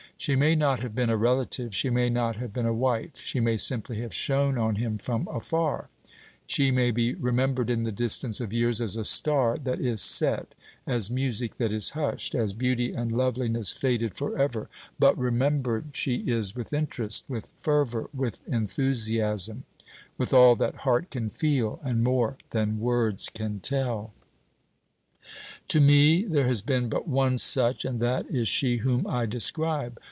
She may not have been a relative; she may not have been a wife; she may simply have shone on him from afar; she may be remembered in the distance of years as a star that is set, as music that is hushed, as beauty and loveliness faded forever; but remembered she is with interest, with fervor, with enthusiasm; with all that heart can feel, and more than words can tell. To me there has been but one such, and that is she whom I describe.